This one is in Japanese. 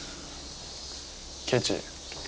ケチ。